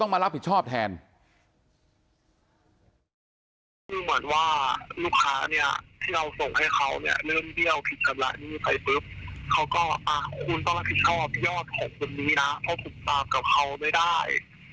คือเหมือนว่าลูกค้าเนี่ยที่เราส่งให้เขาเนี่ยเริ่มเบี้ยวผิดชำระหนี้ไปปุ๊บเขาก็อ่ะคุณต้องรับผิดชอบยอดของคนนี้นะเพราะคุณตากับเขาไม่ได้